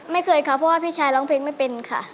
ไม่เคยค่ะเพราะว่าพี่ชายร้องเพลงไม่เป็นค่ะ